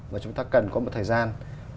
và chúng ta cần có một thời gian